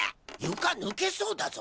床ぬけそうだぞ。